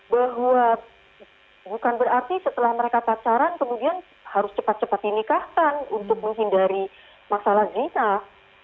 bukan berarti setelah mereka pacaran kemudian harus cepat cepat dinikahkan untuk menghindari masalah jenah